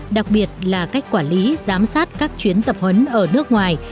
đặc biệt là cách quản lý giám sát các chuyến tập huấn ở nước ngoài